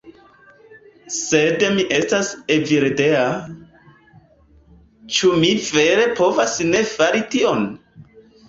Sed mi estas Evildea... ĉu mi vere povas ne fari tion?